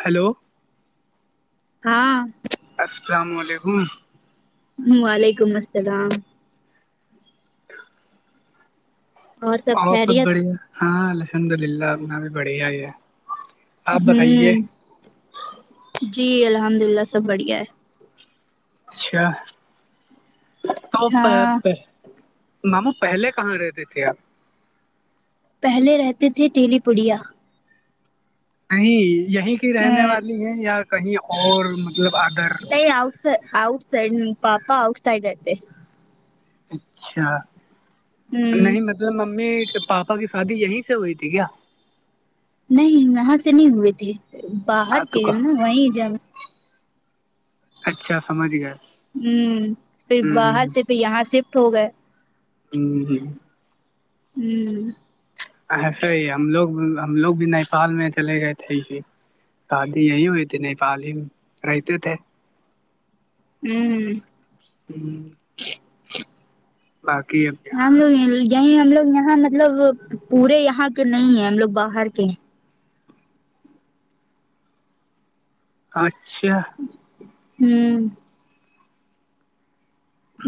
hello ہاں السلام علیکم وعلیکم السلام [inaudible] اور سب بڑھیا ہاں الحمد للہ ان بھی بڑھیا ہی ہے آپ بتائیے ہوں جی الحمد اللہ سب بڑھیا ہے اچھا ہے توپ ہاں ماما پہلے کہاں رہتے تھے آپ پہلے رہتے تھے تیلی پڑیا نہیں یہیں کی رہنے نہیں والی ہے یا کہیں اور مطلب ادر آؤٹ اؤٹ سائڈ پاپا اؤٹ سائڈ رہتے اچھا ہ نہیں مب ممی پاپا کی شادی یہیں سے ہوئی تھی کیا نہیں وہاں سے نہیں ہوئے تھے باہر ہاں تو گ کہ نا وہیں جانا اچھا سمجھ گیا ہوں پھر باہر سے پھر یہاں شفٹ ہو گئے [inaudible] ہوں [inaudible] ایسے ہی ہم لوگ ہم لوگ بھی نیپال میں چلے گئے تھے کہ شادی یہی ہوئی تھی نیپال ہی رہتے تھے [inaudible] جی باقی ہے ہم لوگ یہی ہم لوگ یہاں مطلب پورے یہاں کے نہیں ہیں ہم لوگ باہر کے ہیں اچھا ہوں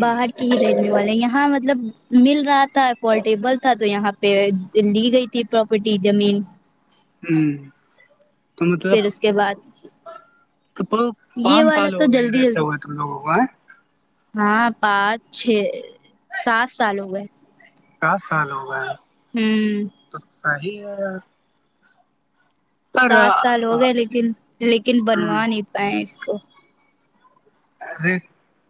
باہر ٹ [inaudible] ریل م والے یہاں مطلب مل رہا تھا پورٹیبل تھا تو یہاں پہ لی گئی تھی [inaudible] تھی پراپرٹی جمین ہوں [unintelligible] [unintelligible] تو مطلب پھر اس کے بعد تو یہ پانچ والا سال تو ہو گئے جلدی رتے جلدی [inaudible] لوگ ہے ہاں پانچ چھ سات سال ہو گئے کاس سال ہو گئے ہے ہوں [unintelligible] [unintelligible] تو صحیح ہے یار سات سال ہو پر گئے لیکن لیکن بنوا نہیں پائے اس کو ارے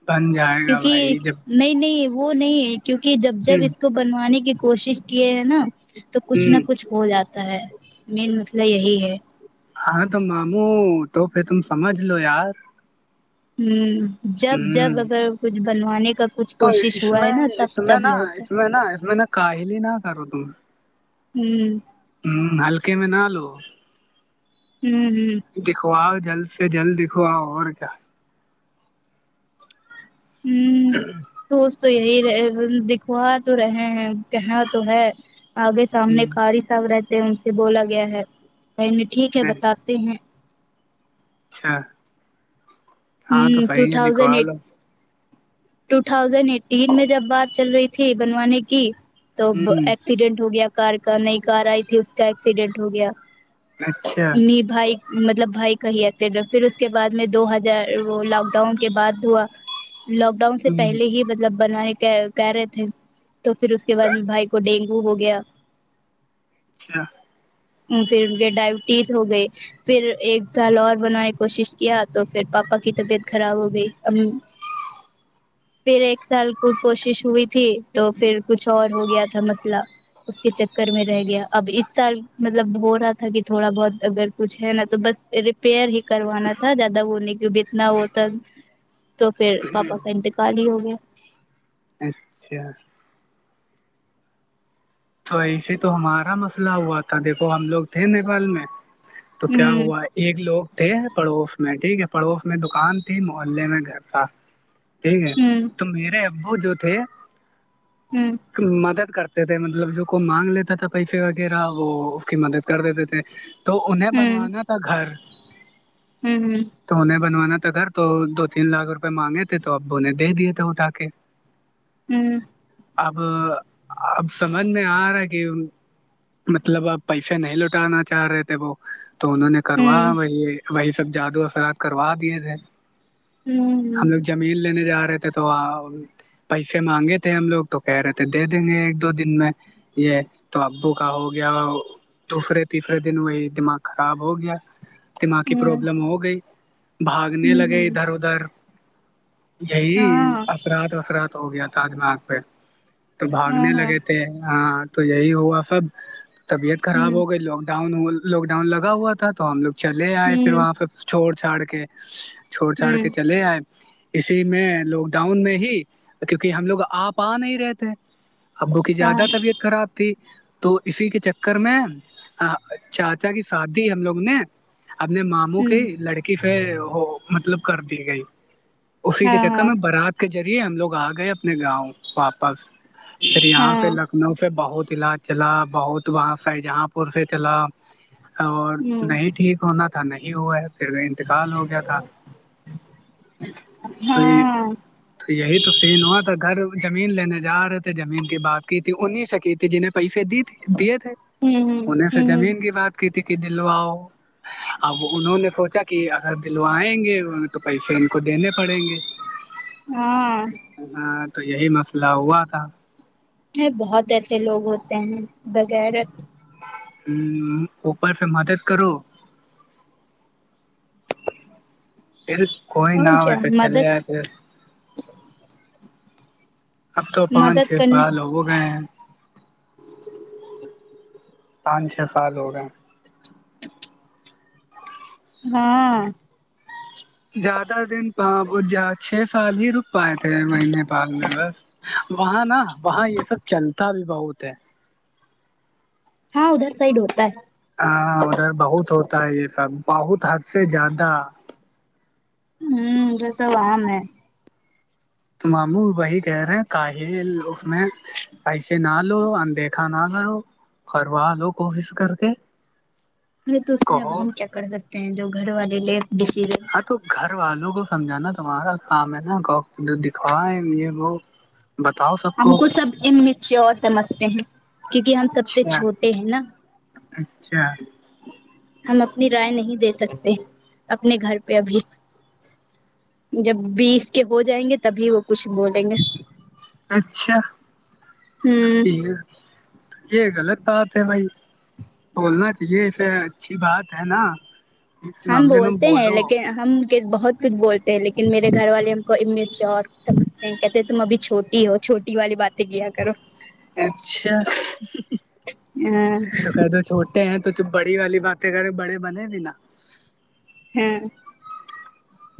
بن جائے گا بھائی کیونکہ جب نہیں نہیں وہ نہیں کیونکہ جب جب ہ اس کو بنوانے کی کوشش کیے ہیں نا تو کچھ نہ ہ کچھ ہو جاتا ہے مین مسئلہ یہی ہے ہاں تو ماموں تو پھر تم سمجھ لو یار ہیں جب ہ جب اگر کچھ بنوانے کا کچھ تو کوشش اس ہوا ہے میں نا اس تب میں تب یہ نا ہوتا اس ہے میں نا اس میں نا کاہل ہی نہ کرو تم ہوں ہوں ہلکے میں نہ لو ہوں ہ [unintelligible] [inaudible] دکھواؤ جلد سے جلد دکھواؤ اور کیا ہوں [unintelligible] [unintelligible] ہ [inaudible] [inaudible] سوچ تو یہی رہے دکھوا تو رہے ہیں کہاں تو ہے آگے سامنے کیا قاری صاحب رہتے ہیں ان سے بولا گیا ہے کہ نہیں ٹھیک ہے ہ بتاتے ہیں اچھا ہاں ہوں تو ٹو صحیح ہے تھاؤزنڈ دکھوا ایٹ لو ٹو تھاؤزینڈ ایٹین میں جب بات چل رہی تھی بنوانے کی تو ہوں ایکسیڈینٹ ہو گیا کار کا نئی کار آئی تھی اس کا ایکسیڈینٹ ہو گیا اچھا نہیں بھائی مطلب بھائی کاہی ایکسیڈنٹ پھر اس کے بعد میں دو ہزار وہ لاک ڈاؤن کے بعد ہوا لاک ڈاؤن سے ہوں پہلے ہی مطلب بنوانے کا کہہ رہے تھے تو پھر اس کے بعد میں بھائی کو ڈینگو ہو گیا اچھا پھر کے ڈائبٹیز ہو گئے [inaudible] پھر ایک جال اور بنانے کی کوشش کیا تو پھر پاپا کی طبیعت خراب ہو گئی امو پھر ایک سال کو کوشش ہوئی تھی تو پھر کچھ اور ہو گیا تھا مسئلہ اس کے چکر میں رہ گیا اب اس سال مطلب ہو رہا تھا کہ تھوڑا بہت اگر کچھ ہے نا تو بس ریپیئر ہی کروانا تھا زیادہ وہ نہیں کیہ اتنا ہوتا تو پھر پاپا کا انت کال ہی ہو گیا اچھا تو ایسے تو ہمارا مسئلہ ہوا تھا دیکھو ہم لوگ تھے نیپال میں تو کیا ہوں ہوا ایک لوگ تھے پڑوس میں ٹھیک ہے پڑوس میں دکان تھی محلے میں گھر تھا ٹھیک ہے ہوں تو میرے ابو جو تھے ہوں مدد کرتے تھے مطلب جو کو مانگ لیتا تھا پیسے وغیرہ وہ اس کی مدد کر دیتے تھے تو انہیں ہوں بنوانا تھا گھر ہوں تو انہیں بنوانا تھا گھر تو دو تین لاکھ روپئے مانگے تھے تو ابو نے دے دیے تھے اٹھا کے ہوں اب اب سمجھ میں آ رہا ہے کہ مطلب آب پیسے نہیں لوٹانا چاہ رہے تھے وہ تو انہوں نے کروا ہوں وہی وہی سب جادو اثرات کروا دیے تھے ہم ہوں لوگ زمین لینے جا رہے تھے تو پیسے مانگے تھے ہم لوگ تو کہہ رہے تھے دے دیں گے دو دن میں یہ تو ابو کا ہو گیا دوسرے تیسرے دن وہی دماغ خراب ہو گیا دماغ کی ہوں پروابلم ہو گئی بھاگنے ہوں لگے ہوں ادھر ادھر یہی ہاں اثرات وثرات ہو گیا تھا دماغ پہ تو ہاں بھاگنے ہاں لگے تھے ہاں تو یہی ہوا سب طبیعت خراب ہوں ہو گئی لاک ڈاؤن ہو لاک ڈاؤن لگا ہوا تھا تو ہم لوگ چلے آئے پھر ہوں واپس چھوڑ چھاڑ کے چھوڑ چھاڑ کے ہوں چلے آئے اسی میں لاک ڈاؤن میں ہی کیونکہ ہم لوگ آپ آ نہیں رہتے ابو کی ہاں زیادہ طبیعت خراب تھی تو اسی کے چکر میں چاچا کی شادی ہم لوگ نے اپنے ماموں کے ہوں لڑکی سے وہ مطلب کر دی گئی اسی کے ہاں چکر ہاں میں بارات کے ذریعے ہم لوگ آ گئے اپنے گاؤں واپس پھر یہاں سے ہاں لکھنؤ سے بہت علاج چلا بہت وہاں شاہجہاں پور سے چلا اور ہوں نہیں ٹھیک ہونا تھا نہیں ہوا ہے پھر وے انتقال ہو گیا تھا تو یہ ہاں ہوں تو یہی تو سین ہوا تھا گھر زمین لینے جا رہے تھ زمین کی بات کی تھی انی سے کی تھی جنہیں پیسے دی دیے تھے ہوں انہیں سے ہوں ہوں زمین کی بات کی تھی کہ دلواؤ اب انہوں نے سوچا کہ اگر دلوائیں گے تو پیسے ان کو دینے پڑیں گے ہاں ہاں تو یہی مسئلہ ہوا تھا بہت ایسے لوگ ہوتے ہیں بے غیرت ہ اوپر پھر مدد کرو پھر کوئی اور نہ ہو کیا ایسے چلے مدد آ پھر مدد کرنے وہ گئے ہیں ج [inaudible] پانچ چھ سال ہو گئے ہاں زیادہ دن چھ سال ہی رک پائے تھے وہ نیپال میں بس وہاں نا وہاں یہ سب چلتا بھی بہت ہے ہاں ادھر سائڈ ہوتا ہے ہاں ادھر بہت ہوتا ہے یہ سب بہت حد سے زیادہ ہوں یہ سب عام ہے ماموں وہی کہہ رہے ہیں کاہل اس میں پسے نہ لو اندیکھا ا نہ کرو کروا لو کوشش کر کے ارے تو اس میں اب کہو ہم کیا کر سکتے ہیں جو گھر والے لے ڈسیز ہاں تو گھر والوں کو سمجھانا تمہارا کام ہے نا جو دکھوا ہے یہ وہ بتاؤ سر ہم کو سب انمیچیور سمجھتے ہیں کیونکہ ہم سب سے اچھا چھوٹے ہیں نا اچھا ہم اپنی رائے نہیں دے سکتے اپنے گھر پہ ابھی جب بیس کے ہو جائیں گے تبھی وہ کچھ بولیں گے اچھا ہوں یہ یہ غلط بات ہے بھائی بولنا چاہیے اسے اچھی بات ہے نا اس ہم معاملے میں بولتے ہیں بولو لیکن ہم بہت کچھ بولتے ہیں لیکن میرے گھر والے ہم کو امیچیور سمجتےہیں کہتے تم ابھی چھوٹی ہو چھوٹی والی باتیں کیا کرو اچھا ہاں تو کہ دو چھوٹ ہیں تو جو بڑی والی باتیں کرے بڑے بنے بھی نا ہاں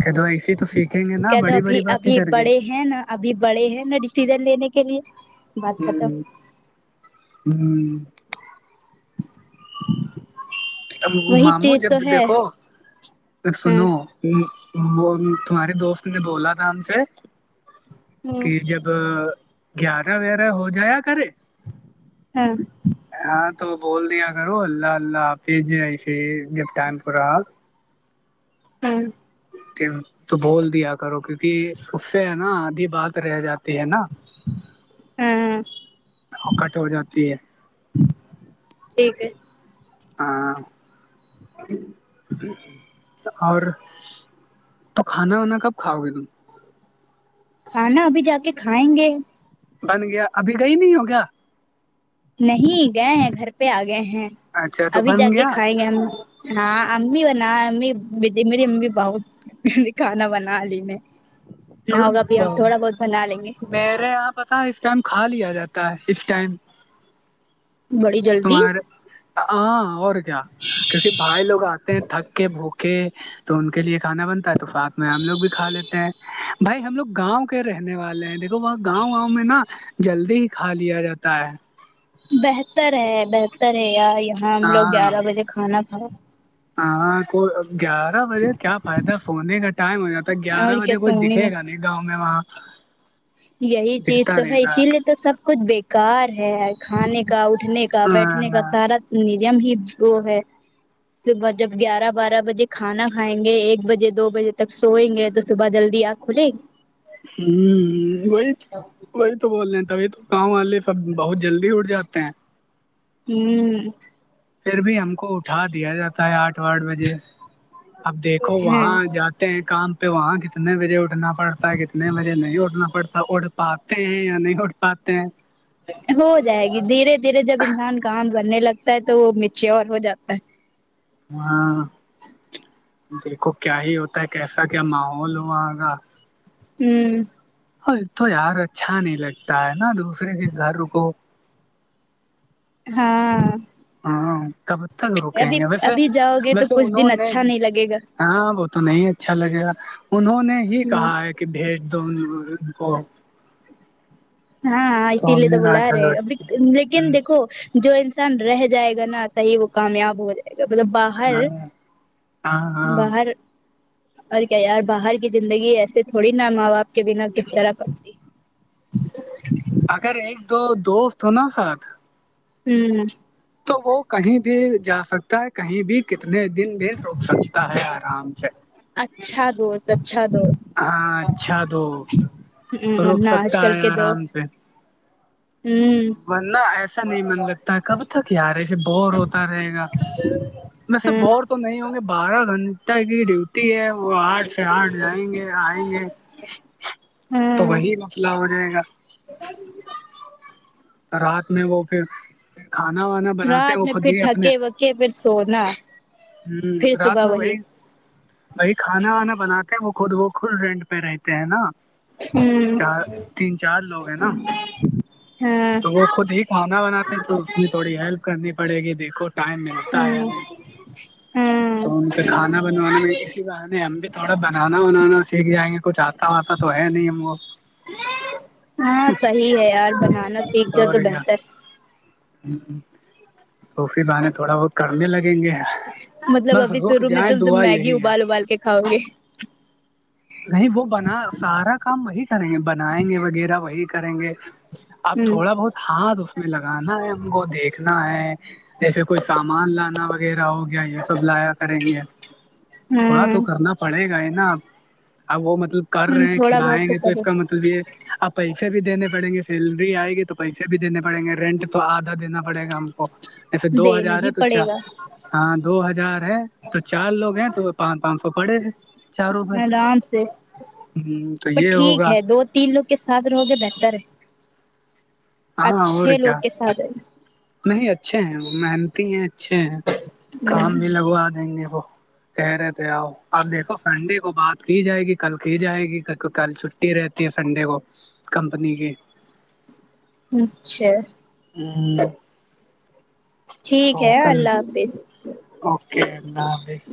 کہ دو ایسی تو سیکھیں گے نا کہ تو بڑی ابھی بڑی باتیں ابھی کر کے بڑے ہیں نا ابھی بڑے ہیں نا ڈیسیزن لینے کے لیے بات ہوں ختم ہوں تب وہی ماموں چیز جب تو بھی ہے دیکھو جب ہاں سنو [inaudible] وہ تمہاری دوست نے بولا تھا ہم سے ہاں کہ جب گیارہ ویارہ ہو جایا کرے ہاں ہاں تو بول دیا کرو اللہ اللہ آپ بھیے آئی پھر جب ٹائم پ رہا [inaudible] ہوں کہ تو بول دیا کرو کیونکہ اس سے ہے نا آدھی بات رہ جاتی ہے نا ہ [inaudible] کٹ ہو جاتی ہے [inaudible] ٹھیک ہے ہاں [inaudible] ا [inaudible] [inaudible] اور تو کھانا وانا کب کھاؤ گے تم کھانا ابھی جا کے کھائیں گے بن گیا ابھی گئی نہیں ہو کیا نہیں گئے ہیں گھر پہ آ گئے ہیں اچھا تو ابھی جا بن کے گیا کھائیں گے ہم ہاں امی ہونا امی میری امی بہت [inaudible] نہیں کھانا بنا لی میں تو نہ ہوگا ابھی ہم تھوڑا بہت بنا لیں گے میرے یہاں پتا اس ٹائم کھا لیا جاتا ہے اس ٹائم بڑی جلدی تمار ہاں اور کیا کیونکہ بھائی لوگ آتے ہیں تھک کے بھوکے تو ان کے لیے کھانا بنتا ہے تو ساتھ میں ہم لوگ بھی کھا لیتے ہیں بھائی ہم لوگ گاؤں کے رہنے والے ہیں دیکھو وہاں گاؤں واؤں میں نا جلدی ہی کھا لیا جاتا ہے بہتر ہے بہتر ہے یار یہاں ہم لوگ ہاں گیارہ بجے کھانا کھاؤ ہاں کو گیارہ بجے کیا فائدہ ہے سونے کا ٹائم ہو جاتا ہے اور گیارہ کیا بجے کوئی سونے کا دکھے گا گاؤں میں وہاں یہی چیز دکھتا تو نہیں ہے تھا اسی لیے تو سب کچھ بیکار ہے کھانے کا اٹھنے کا بیٹھنے کا ہ سارا نیم ہی وہ ہے صبح جب گیارہ بارہ بجے کھانا کھائیں گے ایک بجے دو بجے تک سوئیں گے تو صبح جلدی آنکھ کھلے گی [inaudible] ہوں وہی تو [unintelligible] وہی تو بول رہے ہیں تبھی تو کام والے سب بہت جلدی اٹھ جاتے ہیں ہوں پھر بھی ہم کو اٹھا دیا جاتا ہے آٹھ آٹھ بجے اب دیکھو ہ وہاں جاتے ہیں کام پہ وہاں کتنے بجے اٹھنا پڑتا ہے کتنے بجے نہیں اٹھنا پڑتا اٹھ پاتے ہیں یا نہیں اٹھ پاتے ہیں ہو جائے گی دھیرے دھیرے جب انسان کام کرنے لگتا ہے تو وہ میچور ہو جاتا ہے ہاں دیکھو کیا ہی ہوتا ہے کیسا کیا ماحول ہوا گا ہوں تو یار اچھا نہیں لگتا ہے نا دوسرے کے گھر رکو ہاں ہاں کب تک رکیں ابھی گے ویسے ابھی جاؤ گے تو ویسے کچھ انہوں دن نے اچھا ہی نہیں لگے گا ہاں وہ تو نہیں اچھا لگے گا انہوں نے ہی ہ کہا ایک کہ بھیج دو ان کو ہاں ہاں اسی ہم لیے نے تو کہا بلا رہے چلو ہیں اب ٹھیک لیکن ہ دیکھو جو انسان رہ جائے گا نا صحیح وہ کامیاب ہو جائے مطلب باہر ہاں ہاں ہاں باہر اور کیا یار باہر کی زندگی ایسے تھوڑی نا ماں باپ کے بنا کس طرح کرتی [unintelligible] اگر ایک دو دوست ہو نا ساتھ ہوں تو وہ کہیں بھی جا سکتا ہے کہیں بھی کتنے دن بھی رک سکتا ہے آرام سے اچھا دوست اچھا دوست ہاں اچھا تو رک ورنہ آج سکتا کل ہے کے دوست آرام سے ہوں ورنہ ایسا نہیں من لگتا کب تک یار ایسے بور ہوتا رہے گا وسے ہوں بور تو نہیں ہوں گے بارہ گھنٹہ کی ڈیوٹی تی ہے وہ آٹھ سے آٹھ جائیں گے آئیں گے تو وہی مسئلہ ہو جائے گا ا [unintelligible] تو رات میں وہ پھر کھانا وانا بناتے ہیں رات وہ میں خود پھر ہی اپنے تھکے وکے پھر سونا ہوں پھر رات صبح میں بھائی وہی کھانا وانا بناتے ہیں وہ خود وہ خود رینٹ پہ رہتے ہیں نا ہوں چار تین چار لوگ ہے نا ہاں تو وہ خود ہی کھانا بناتے تو اس میں تھوڑی ہیلپ کرنی پڑے گی دیکھو ٹائم ملتا ہے یا ہوں نہیں ہاں تو ان کے کھانا بنوانے میں اسی بہانے ہم بھی تھوڑا بنانا ونانا سیکھ جائیں گے کچھ آ پتا آتا تو ہے نہیں ہم کو ہاں صحیح ہے یار بنا اور رہ کیا ہ تو پھر بہے تھوڑا بہت کرنے لگیں گے مطلب بس ابھی رک سروع میں جائیں تم دعا میگی یہی ہے ابال ابال کے کھاؤ گے نہیں وہ بنا سارا کام وہی کریں گے بنائیں گے وغیرہ وہی کریں گے اب ہوں تھوڑا بہت ہاتھ اس میں لگانا ہے ہم کو دیکھنا ہے جیسے کوئی سامان لانا وغیرہ ہو گیا یہ سب لایا کریں گے ہاں تھوڑا تو کرنا پڑے گا ہی نا اب وہ مطلب کر ہوں رہے ہیں تھوڑا کھلائیں بہت گے تو اس کرو کا مطلب تو بھیے [inaudible] آپ پیسے بھی دینے پڑیں گے سیلری آئے گی تو پیسے بھی دینے پڑیں گے رینٹ تو آدھا دینا پڑے گا ہم کو ایسے دو دینا ہزار ہے ہی تو چا پڑے گا ہاں دو ہزار ہے تو چار لوگ ہیں تو پانچ پانچ سو پڑے آرام سے ہوں تو پر یہ ٹھیک ہوگا ہے دو تین لوگ کے ساتھ رہو گے بہتر ہے ہاں اور اچھے لوگ کیا کے ساتھ نہیں اچھے ہیں وہ محنتی ہیں اچھے ہیں کام بھی لگوا دیں گے وہ کہہ رہے تھے آؤ اب دیکھو سنڈے کو بات کی جائے گی کل کی جائے گی کل چھٹی رہتی کہ سنڈے کو کمپنی کی اچھا ہ [inaudible] ٹھیک تو ہے کل اللہ حافظ اوکے اللہ حافظ